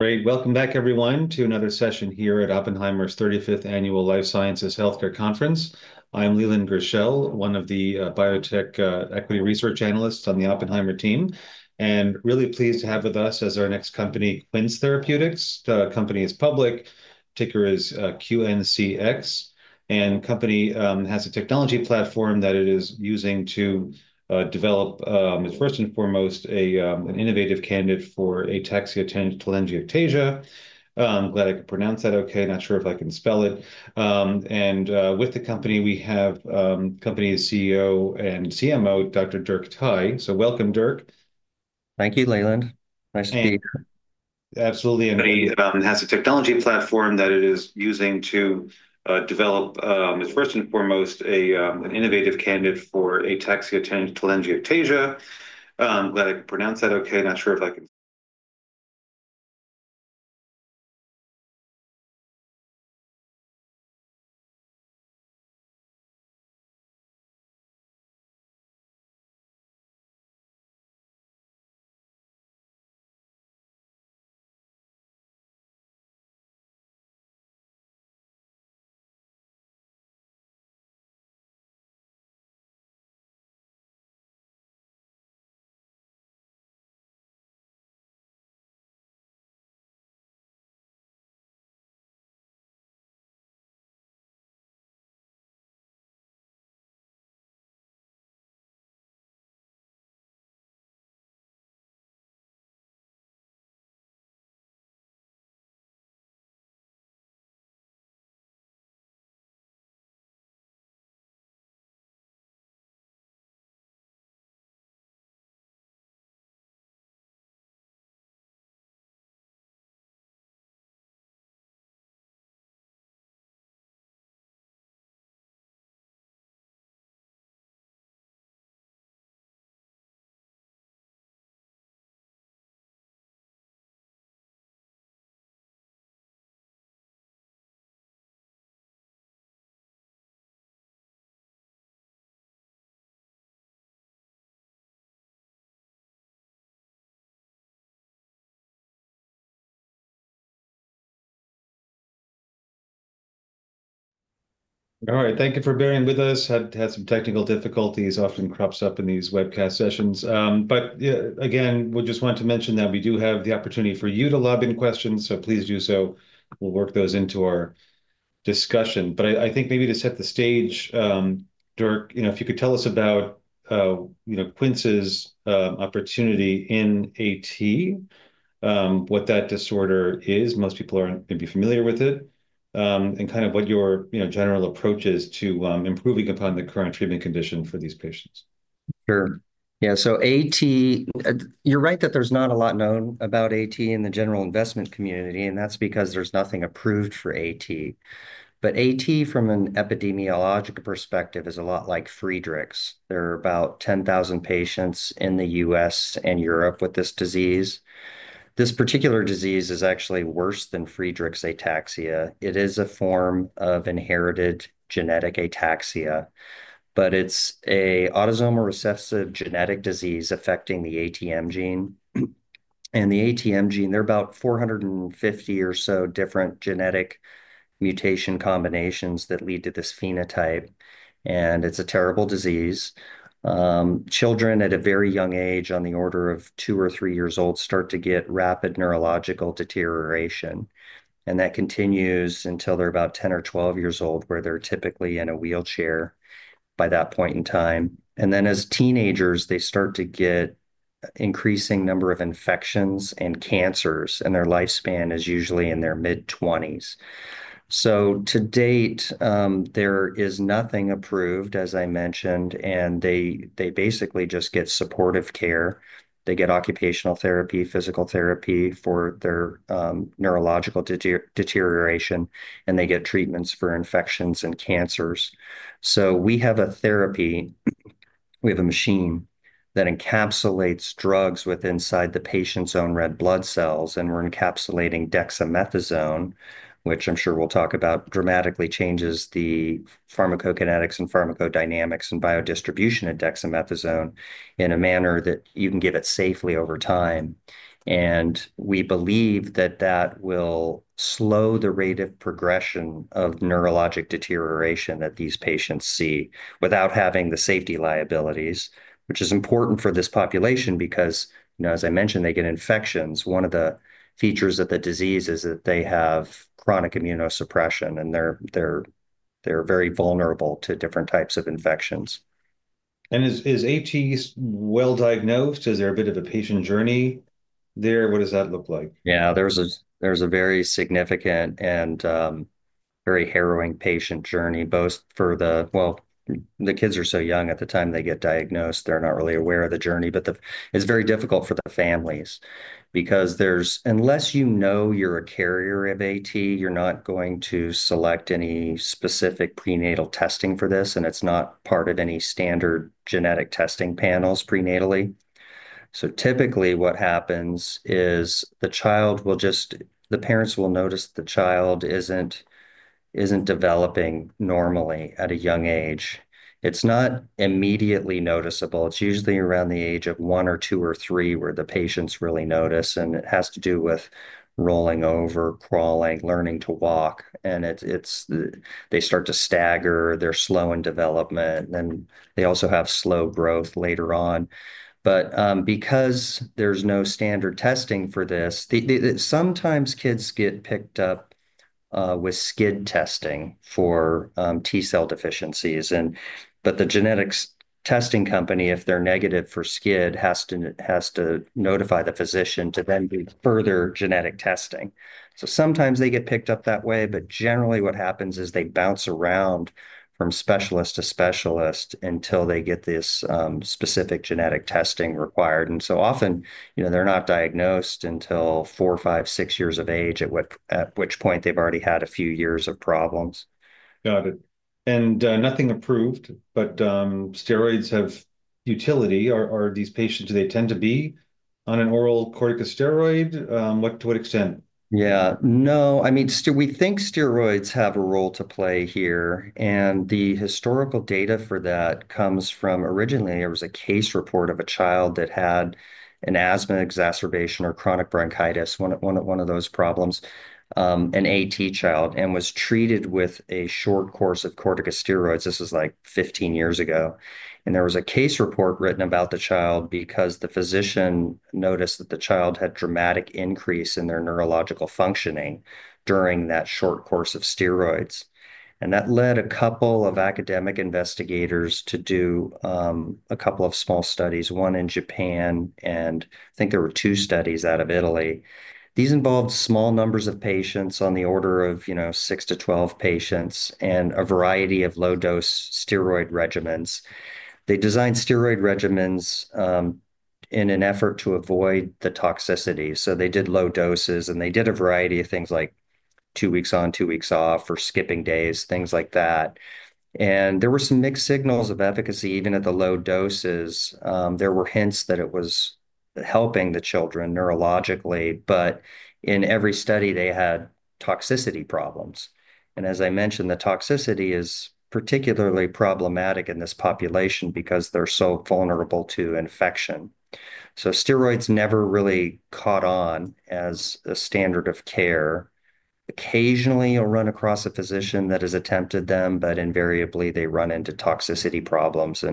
Great. Welcome back, everyone, to another session here at Oppenheimer's 35th Annual Life Sciences Healthcare Conference. I'm Leland Gershell, one of the biotech equity research analysts on the Oppenheimer team, and really pleased to have with us as our next company, Quince Therapeutics. The company is public, ticker is QNCX, and the company has a technology platform that it is using to develop, first and foremost, an innovative candidate for ataxia-telangiectasia. I'm glad I could pronounce that okay. Not sure if I can spell it. With the company, we have the company's CEO and CMO, Dr. Dirk Thye. Welcome, Dirk. Thank you, Leland. Nice to be here. Absolutely. He has a technology platform that it is using to develop, first and foremost, an innovative candidate for ataxia-telangiectasia. I'm glad I could pronounce that okay. Not sure if I can. Thank you for bearing with us. Had some technical difficulties. Often crops up in these webcast sessions. Again, we just want to mention that we do have the opportunity for you to lobby in questions, so please do so. We'll work those into our discussion. I think maybe to set the stage, Dirk, if you could tell us about Quince's opportunity in AT, what that disorder is. Most people are maybe familiar with it, and kind of what your general approach is to improving upon the current treatment condition for these patients. Sure. Yeah. AT, you're right that there's not a lot known about AT in the general investment community, and that's because there's nothing approved for AT. AT, from an epidemiological perspective, is a lot like Friedreich's. There are about 10,000 patients in the U.S. and Europe with this disease. This particular disease is actually worse than Friedreich's ataxia. It is a form of inherited genetic ataxia, but it's an autosomal recessive genetic disease affecting the ATM gene. The ATM gene, there are about 450 or so different genetic mutation combinations that lead to this phenotype, and it's a terrible disease. Children at a very young age, on the order of two or three years old, start to get rapid neurological deterioration, and that continues until they're about 10 or 12 years old, where they're typically in a wheelchair by that point in time. As teenagers, they start to get an increasing number of infections and cancers, and their lifespan is usually in their mid-20s. To date, there is nothing approved, as I mentioned, and they basically just get supportive care. They get occupational therapy, physical therapy for their neurological deterioration, and they get treatments for infections and cancers. We have a therapy. We have a machine that encapsulates drugs inside the patient's own red blood cells, and we're encapsulating dexamethasone, which I'm sure we'll talk about, that dramatically changes the pharmacokinetics and pharmacodynamics and biodistribution of dexamethasone in a manner that you can give it safely over time. We believe that that will slow the rate of progression of neurologic deterioration that these patients see without having the safety liabilities, which is important for this population because, as I mentioned, they get infections. One of the features of the disease is that they have chronic immunosuppression, and they're very vulnerable to different types of infections. Is AT well diagnosed? Is there a bit of a patient journey there? What does that look like? Yeah. There's a very significant and very harrowing patient journey, both for the—well, the kids are so young at the time they get diagnosed. They're not really aware of the journey, but it's very difficult for the families because unless you know you're a carrier of AT, you're not going to select any prenatal testing for this, and it's not part of any standard genetic testing panels prenatally. Typically, what happens is the child will just—the parents will notice the child isn't developing normally at a young age. It's not immediately noticeable. It's usually around the age of one or two or three where the patients really notice, and it has to do with rolling over, crawling, learning to walk, and they start to stagger. They're slow in development, and they also have slow growth later on. Because there's no standard testing for this, sometimes kids get picked up with SCID testing for T-cell deficiencies. The genetics testing company, if they're negative for SCID, has to notify the physician to then do further genetic testing. Sometimes they get picked up that way, but generally, what happens is they bounce around from specialist to specialist until they get this specific genetic testing required. Often, they're not diagnosed until four, five, six years of age, at which point they've already had a few years of problems. Got it. Nothing approved, but steroids have utility. Are these patients, do they tend to be on an oral corticosteroid? To what extent? Yeah. No, I mean, we think steroids have a role to play here, and the historical data for that comes from originally, there was a case report of a child that had an asthma exacerbation or chronic bronchitis, one of those problems, an AT child, and was treated with a short course of corticosteroids. This was like 15 years ago, and there was a case report written about the child because the physician noticed that the child had a dramatic increase in their neurological functioning during that short course of steroids. That led a couple of academic investigators to do a couple of small studies, one in Japan, and I think there were two studies out of Italy. These involved small numbers of patients on the order of 6-12 patients and a variety of low-dose steroid regimens. They designed steroid regimens in an effort to avoid the toxicity, so they did low doses, and they did a variety of things like two weeks on, two weeks off, or skipping days, things like that. There were some mixed signals of efficacy even at the low doses. There were hints that it was helping the children neurologically, but in every study, they had toxicity problems. As I mentioned, the toxicity is particularly problematic in this population because they're so vulnerable to infection. Steroids never really caught on as a standard of care. Occasionally, you'll run across a physician that has attempted them, but invariably, they run into toxicity problems.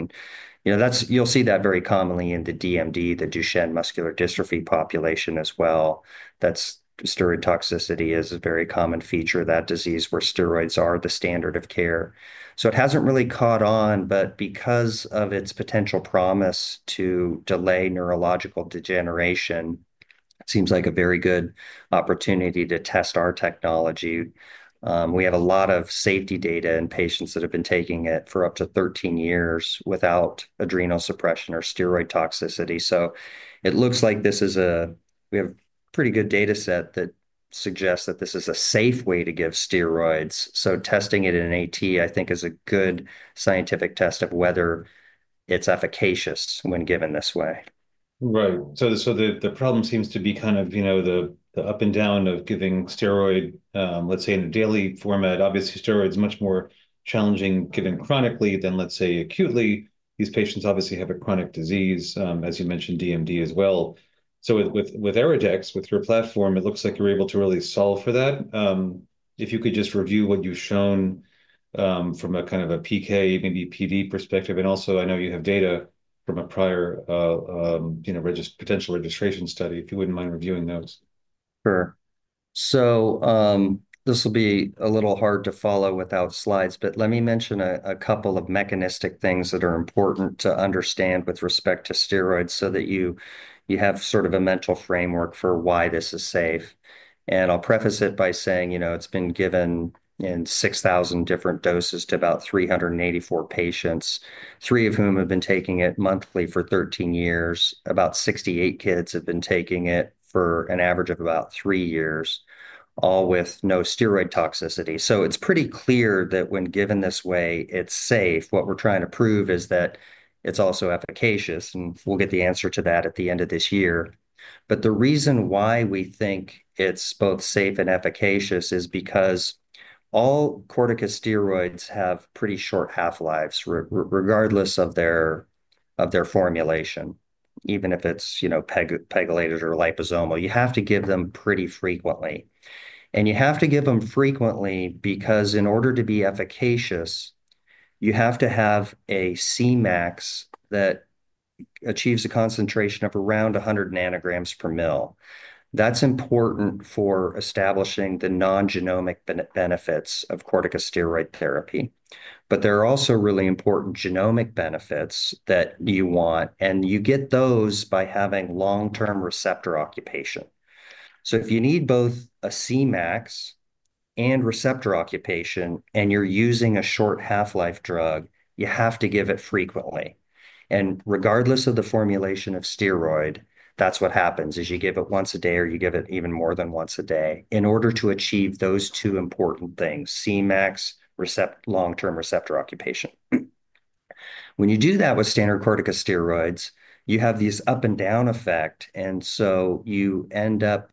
You'll see that very commonly in the DMD, the Duchenne muscular dystrophy population as well. That steroid toxicity is a very common feature of that disease where steroids are the standard of care. It hasn't really caught on, but because of its potential promise to delay neurological degeneration, it seems like a very good opportunity to test our technology. We have a lot of safety data in patients that have been taking it for up to 13 years without adrenal suppression or steroid toxicity. It looks like we have a pretty good data set that suggests that this is a safe way to give steroids. Testing it in AT, I think, is a good scientific test of whether it's efficacious when given this way. Right. The problem seems to be kind of the up and down of giving steroid, let's say, in the daily format. Obviously, steroids are much more challenging given chronically than, let's say, acutely. These patients obviously have a chronic disease, as you mentioned, DMD as well. With EryDex, with your platform, it looks like you're able to really solve for that. If you could just review what you've shown from a kind of a PK, maybe PD perspective. Also, I know you have data from a prior potential registration study. If you wouldn't mind reviewing those. Sure. This will be a little hard to follow without slides, but let me mention a couple of mechanistic things that are important to understand with respect to steroids so that you have sort of a mental framework for why this is safe. I'll preface it by saying it's been given in 6,000 different doses to about 384 patients, three of whom have been taking it monthly for 13 years. About 68 kids have been taking it for an average of about three years, all with no steroid toxicity. It's pretty clear that when given this way, it's safe. What we're trying to prove is that it's also efficacious, and we'll get the answer to that at the end of this year. The reason why we think it's both safe and efficacious is because all corticosteroids have pretty short half-lives, regardless of their formulation, even if it's pegylated or liposomal. You have to give them pretty frequently. You have to give them frequently because in order to be efficacious, you have to have a Cmax that achieves a concentration of around 100 nanograms per mL. That's important for establishing the non-genomic benefits of corticosteroid therapy. There are also really important genomic benefits that you want, and you get those by having long-term receptor occupation. If you need both a Cmax and receptor occupation and you're using a short half-life drug, you have to give it frequently. Regardless of the formulation of steroid, that's what happens is you give it once a day or you give it even more than once a day in order to achieve those two important things: Cmax, long-term receptor occupation. When you do that with standard corticosteroids, you have this up-and-down effect, and you end up,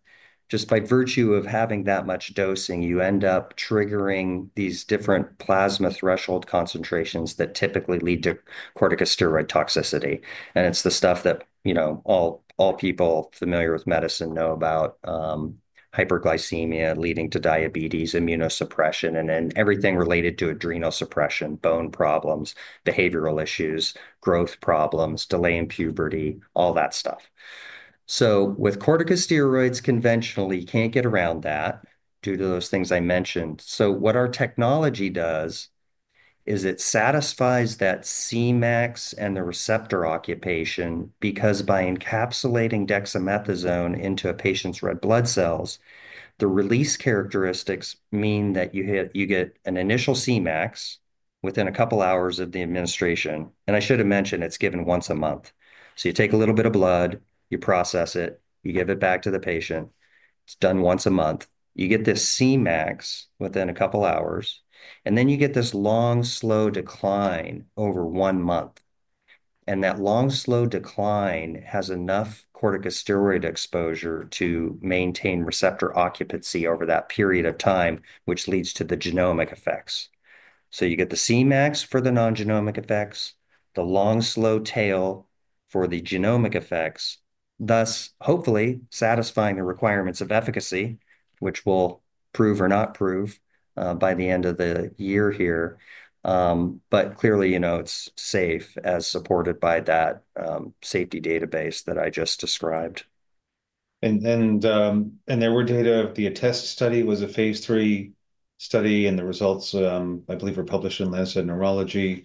just by virtue of having that much dosing, triggering these different plasma threshold concentrations that typically lead to corticosteroid toxicity. It's the stuff that all people familiar with medicine know about: hyperglycemia, leading to diabetes, immunosuppression, and then everything related to adrenal suppression, bone problems, behavioral issues, growth problems, delay in puberty, all that stuff. With corticosteroids, conventionally, you can't get around that due to those things I mentioned. What our technology does is it satisfies that Cmax and the receptor occupation because by encapsulating dexamethasone into a patient's red blood cells, the release characteristics mean that you get an initial Cmax within a couple of hours of the administration. I should have mentioned it's given once a month. You take a little bit of blood, you process it, you give it back to the patient. It's done once a month. You get this Cmax within a couple of hours, and then you get this long, slow decline over one month. That long, slow decline has enough corticosteroid exposure to maintain receptor occupancy over that period of time, which leads to the genomic effects. You get the Cmax for the non-genomic effects, the long, slow tail for the genomic effects, thus hopefully satisfying the requirements of efficacy, which we'll prove or not prove by the end of the year here. Clearly, it's safe as supported by that safety database that I just described. There were data of the ATTeST study, which was a Phase 3 study, and the results, I believe, were published in Lancet Neurology.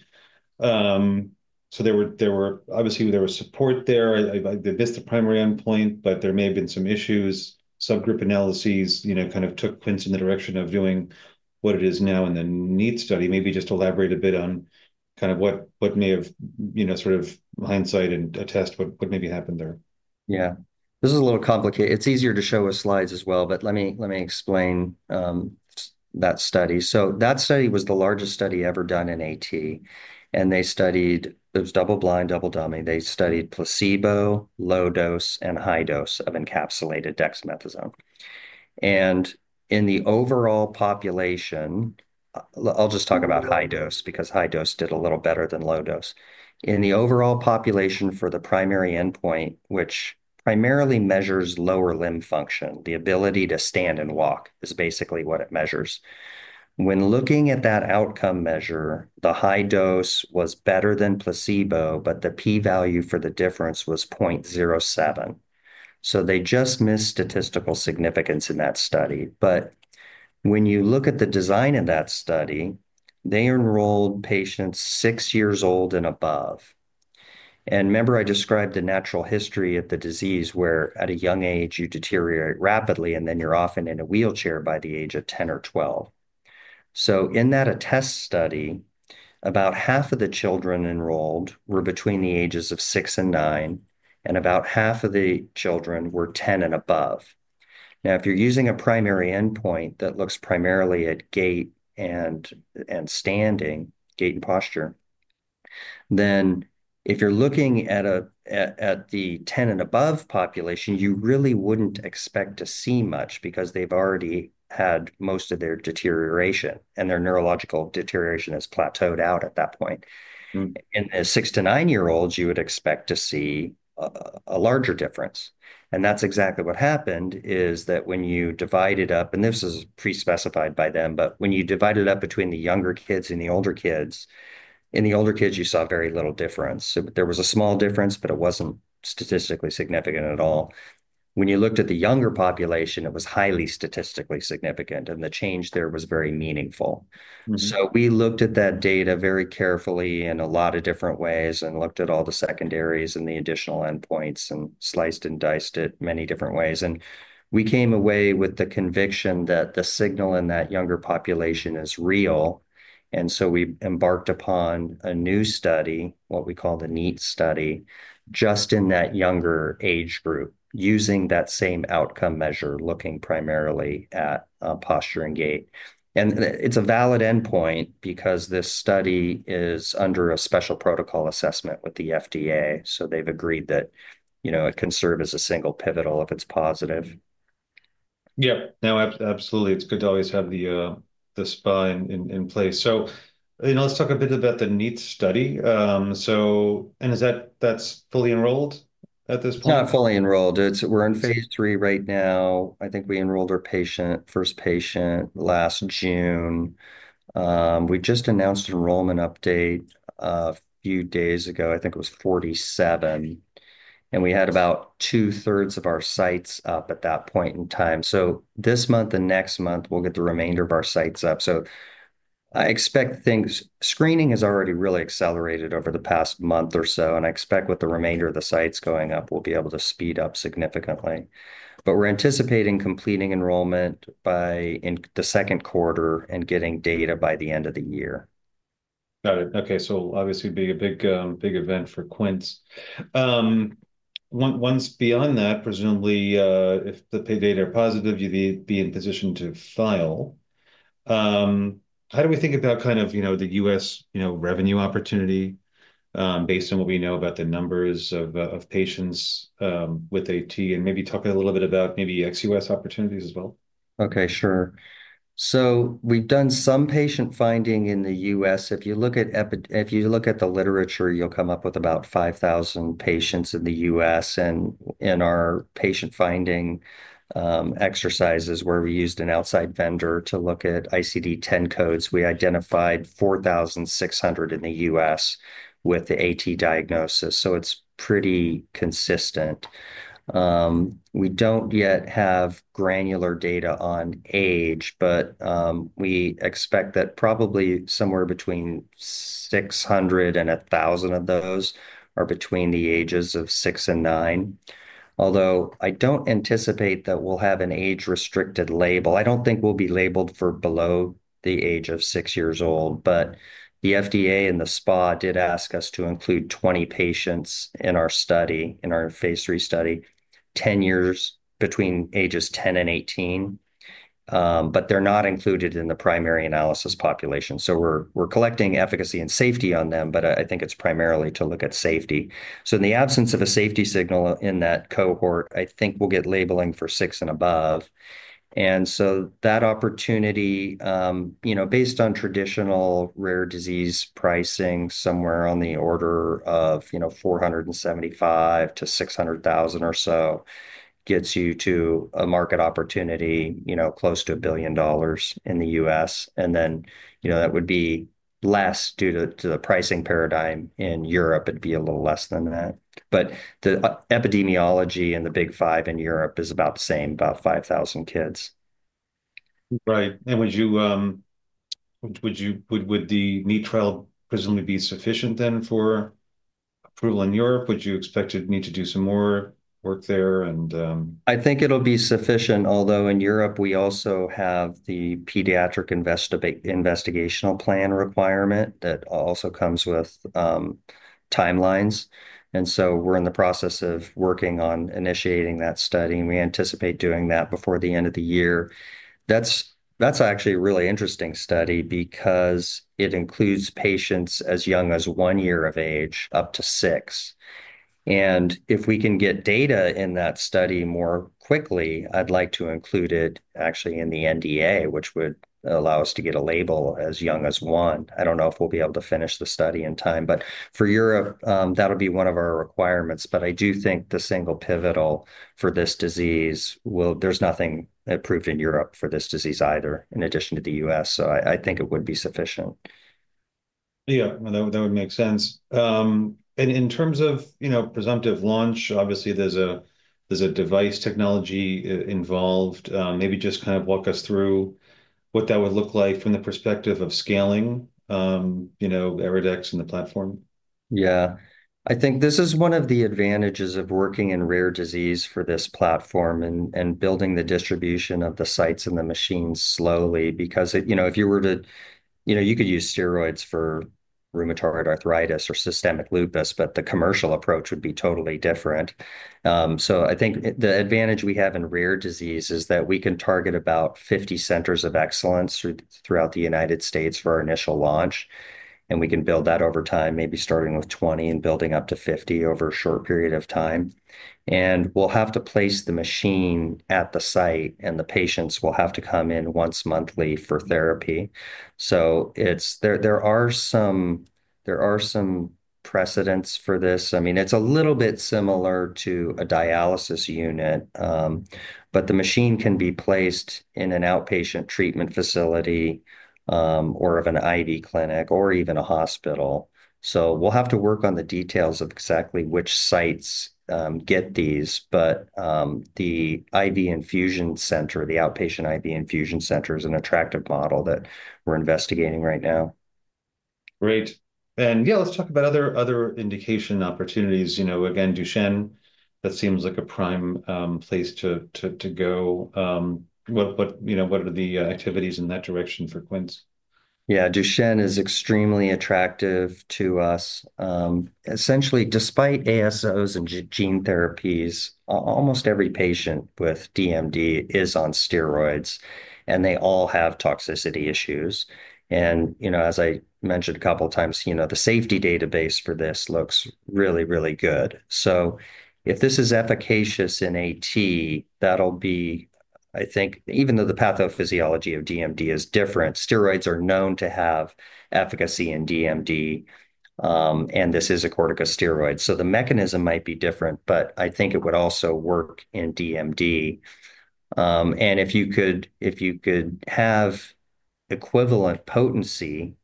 Obviously, there was support there. This is the primary endpoint, but there may have been some issues. Subgroup analyses kind of took Quince in the direction of doing what it is now in the NEAT study. Maybe just elaborate a bit on kind of what may have, sort of, in hindsight and ATTeST, what maybe happened there. Yeah. This is a little complicated. It's easier to show with slides as well, but let me explain that study. That study was the largest study ever done in AT, and they studied—it was double-blind, double-dummy—they studied placebo, low dose, and high dose of encapsulated dexamethasone. In the overall population—I'll just talk about high dose because high dose did a little better than low dose—in the overall population for the primary endpoint, which primarily measures lower limb function, the ability to stand and walk is basically what it measures. When looking at that outcome measure, the high dose was better than placebo, but the p-value for the difference was 0.07. They just missed statistical significance in that study. When you look at the design of that study, they enrolled patients six years old and above. I described the natural history of the disease where at a young age, you deteriorate rapidly, and then you're often in a wheelchair by the age of 10 or 12. In that ATTeST study, about half of the children enrolled were between the ages of 6 and 9, and about half of the children were 10 and above. If you're using a primary endpoint that looks primarily at gait and standing, gait and posture, then if you're looking at the 10 and above population, you really wouldn't expect to see much because they've already had most of their deterioration, and their neurological deterioration has plateaued out at that point. In the 6-9 year-olds, you would expect to see a larger difference. That's exactly what happened. When you divided up—and this is pre-specified by them—when you divided up between the younger kids and the older kids, in the older kids, you saw very little difference. There was a small difference, but it wasn't statistically significant at all. When you looked at the younger population, it was highly statistically significant, and the change there was very meaningful. We looked at that data very carefully in a lot of different ways and looked at all the secondaries and the additional endpoints and sliced and diced it many different ways. We came away with the conviction that the signal in that younger population is real. We embarked upon a new study, what we call the NEAT study, just in that younger age group, using that same outcome measure, looking primarily at posture and gait. It is a valid endpoint because this study is under a special protocol assessment with the FDA. They have agreed that it can serve as a single pivotal if it is positive. Yep. No, absolutely. It's good to always have the spine in place. Let's talk a bit about the NEAT study. Is that fully enrolled at this point? Not fully enrolled. We're in phase three right now. I think we enrolled our first patient last June. We just announced enrollment update a few days ago. I think it was 47. And we had about two-thirds of our sites up at that point in time. This month and next month, we'll get the remainder of our sites up. I expect things—screening has already really accelerated over the past month or so, and I expect with the remainder of the sites going up, we'll be able to speed up significantly. We're anticipating completing enrollment by the second quarter and getting data by the end of the year. Got it. Okay. Obviously, it'd be a big event for Quince. Once beyond that, presumably, if the data are positive, you'd be in position to file. How do we think about kind of the U.S. revenue opportunity based on what we know about the numbers of patients with AT? Maybe talk a little bit about maybe ex-U.S. opportunities as well. Okay. Sure. So we've done some patient finding in the U.S. If you look at the literature, you'll come up with about 5,000 patients in the U.S. In our patient finding exercises, where we used an outside vendor to look at ICD-10 codes, we identified 4,600 in the U.S. with the AT diagnosis. It's pretty consistent. We don't yet have granular data on age, but we expect that probably somewhere between 600 and 1,000 of those are between the ages of 6 and 9. Although I don't anticipate that we'll have an age-restricted label. I don't think we'll be labeled for below the age of 6 years old. The FDA and the SPA did ask us to include 20 patients in our phase three study, 10 years between ages 10 and 18. They're not included in the primary analysis population. We're collecting efficacy and safety on them, but I think it's primarily to look at safety. In the absence of a safety signal in that cohort, I think we'll get labeling for 6 and above. That opportunity, based on traditional rare disease pricing, somewhere on the order of $475,000-$600,000 or so gets you to a market opportunity close to $1 billion in the U.S. That would be less due to the pricing paradigm in Europe. It'd be a little less than that. The epidemiology and the big five in Europe is about the same, about 5,000 kids. Right. Would the NEAT trial presumably be sufficient then for approval in Europe? Would you expect to need to do some more work there? I think it'll be sufficient, although in Europe, we also have the pediatric investigational plan requirement that also comes with timelines. We are in the process of working on initiating that study. We anticipate doing that before the end of the year. That's actually a really interesting study because it includes patients as young as one year of age, up to six. If we can get data in that study more quickly, I'd like to include it actually in the NDA, which would allow us to get a label as young as one. I don't know if we'll be able to finish the study in time. For Europe, that'll be one of our requirements. I do think the single pivotal for this disease, there's nothing approved in Europe for this disease either, in addition to the U.S. I think it would be sufficient. Yeah. That would make sense. In terms of presumptive launch, obviously, there's a device technology involved. Maybe just kind of walk us through what that would look like from the perspective of scaling EryDex and the platform. Yeah. I think this is one of the advantages of working in rare disease for this platform and building the distribution of the sites and the machines slowly because if you were to—you could use steroids for rheumatoid arthritis or systemic lupus, but the commercial approach would be totally different. I think the advantage we have in rare disease is that we can target about 50 centers of excellence throughout the United States for our initial launch. We can build that over time, maybe starting with 20 and building up to 50 over a short period of time. We will have to place the machine at the site, and the patients will have to come in once monthly for therapy. There are some precedents for this. I mean, it's a little bit similar to a dialysis unit, but the machine can be placed in an outpatient treatment facility or an IV clinic or even a hospital. We will have to work on the details of exactly which sites get these. The IV infusion center, the outpatient IV infusion center is an attractive model that we're investigating right now. Great. Yeah, let's talk about other indication opportunities. Again, Duchenne, that seems like a prime place to go. What are the activities in that direction for Quince? Yeah. Duchenne is extremely attractive to us. Essentially, despite ASOs and gene therapies, almost every patient with DMD is on steroids, and they all have toxicity issues. As I mentioned a couple of times, the safety database for this looks really, really good. If this is efficacious in AT, that'll be, I think, even though the pathophysiology of DMD is different, steroids are known to have efficacy in DMD, and this is a corticosteroid. The mechanism might be different, but I think it would also work in DMD. If you could have equivalent potency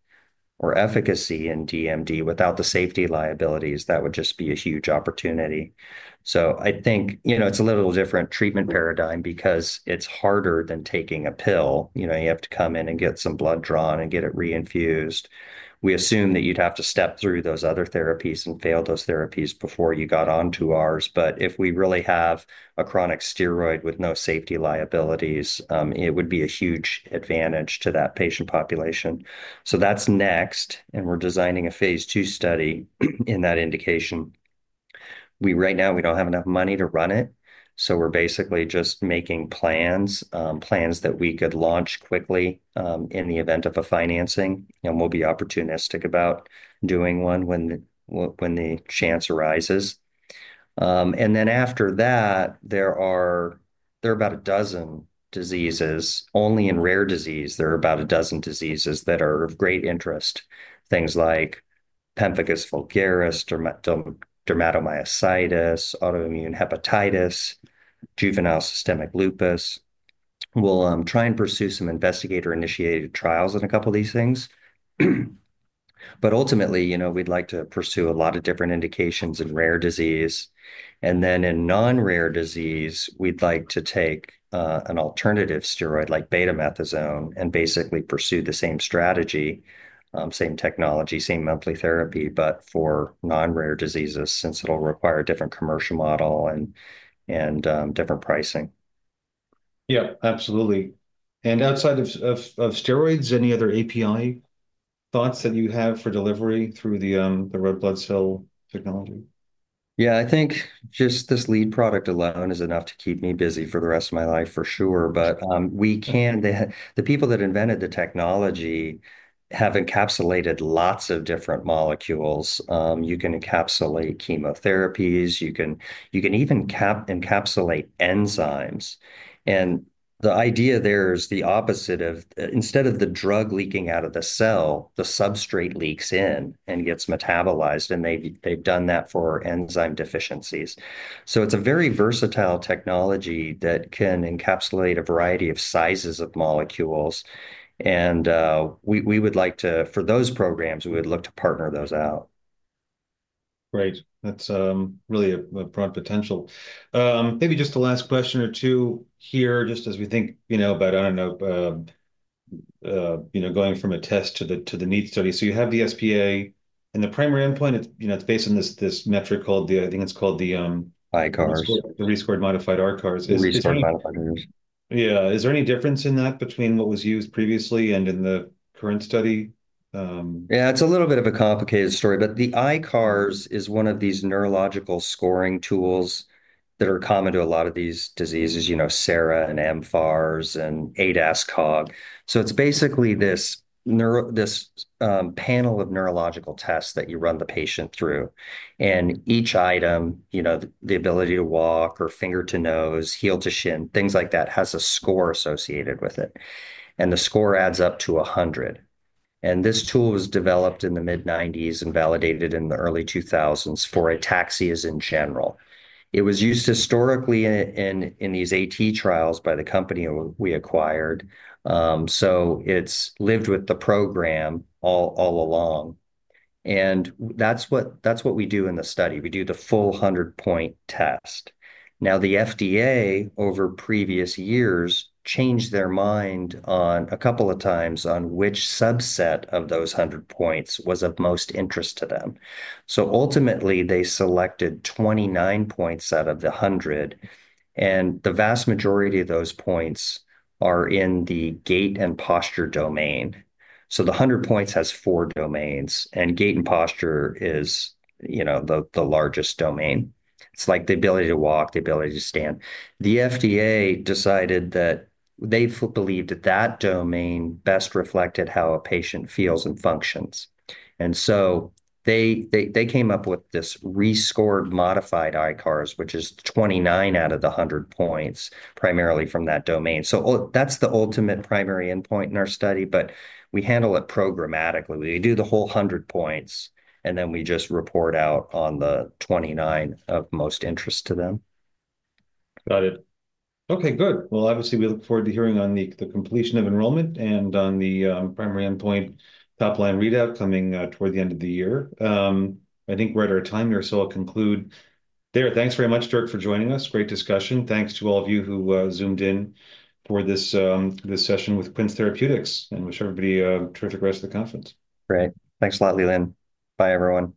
or efficacy in DMD without the safety liabilities, that would just be a huge opportunity. I think it's a little different treatment paradigm because it's harder than taking a pill. You have to come in and get some blood drawn and get it reinfused. We assume that you'd have to step through those other therapies and fail those therapies before you got onto ours. If we really have a chronic steroid with no safety liabilities, it would be a huge advantage to that patient population. That is next. We are designing a Phase 2 study in that indication. Right now, we do not have enough money to run it. We are basically just making plans, plans that we could launch quickly in the event of a financing. We will be opportunistic about doing one when the chance arises. After that, there are about a dozen diseases. Only in rare disease, there are about a dozen diseases that are of great interest, things like pemphigus vulgaris, dermatomyositis, autoimmune hepatitis, juvenile systemic lupus. We will try and pursue some investigator-initiated trials in a couple of these things. Ultimately, we'd like to pursue a lot of different indications in rare disease. Then in non-rare disease, we'd like to take an alternative steroid like betamethasone and basically pursue the same strategy, same technology, same monthly therapy, but for non-rare diseases since it'll require a different commercial model and different pricing. Yeah. Absolutely. Outside of steroids, any other API thoughts that you have for delivery through the red blood cell technology? Yeah. I think just this lead product alone is enough to keep me busy for the rest of my life, for sure. The people that invented the technology have encapsulated lots of different molecules. You can encapsulate chemotherapies. You can even encapsulate enzymes. The idea there is the opposite of instead of the drug leaking out of the cell, the substrate leaks in and gets metabolized. They have done that for enzyme deficiencies. It is a very versatile technology that can encapsulate a variety of sizes of molecules. We would like to, for those programs, we would look to partner those out. Great. That's really a broad potential. Maybe just the last question or two here, just as we think about, I don't know, going from a test to the NEAT study. So you have the SPA. And the primary endpoint, it's based on this metric called, I think it's called the. ICARS. The Rescored Modified ICARS. Rescored Modified ICARS. Yeah. Is there any difference in that between what was used previously and in the current study? Yeah. It's a little bit of a complicated story. The ICARS is one of these neurological scoring tools that are common to a lot of these diseases, SARA and MFARS and ADAS-COG. It's basically this panel of neurological tests that you run the patient through. Each item, the ability to walk or finger to nose, heel to shin, things like that, has a score associated with it. The score adds up to 100. This tool was developed in the mid-1990s and validated in the early 2000s for ataxias in general. It was used historically in these AT trials by the company we acquired. It's lived with the program all along. That's what we do in the study. We do the full 100-point test. Now, the FDA, over previous years, changed their mind a couple of times on which subset of those 100 points was of most interest to them. Ultimately, they selected 29 points out of the 100. The vast majority of those points are in the gait and posture domain. The 100 points has four domains, and gait and posture is the largest domain. It's like the ability to walk, the ability to stand. The FDA decided that they believed that that domain best reflected how a patient feels and functions. They came up with this Rescored Modified ICARS, which is 29 out of the 100 points, primarily from that domain. That's the ultimate primary endpoint in our study. We handle it programmatically. We do the whole 100 points, and then we just report out on the 29 of most interest to them. Got it. Okay. Good. Obviously, we look forward to hearing on the completion of enrollment and on the primary endpoint top-line readout coming toward the end of the year. I think we're at our time here. I'll conclude there. Thanks very much, Dirk, for joining us. Great discussion. Thanks to all of you who zoomed in for this session with Quince Therapeutics. Wish everybody a terrific rest of the conference. Great. Thanks a lot, Leland. Bye, everyone.